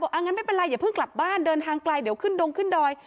อ่างั้นไม่เป็นไรอย่าเพิ่งกลับบ้านเดินทางไกลเดี๋ยวขึ้นดงขึ้นดอย